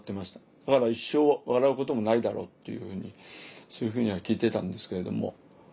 だから一生笑うこともないだろうっていうふうにそういうふうには聞いてたんですけれども。